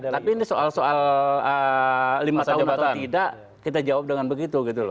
tapi ini soal soal lima tahun atau tidak kita jawab dengan begitu gitu loh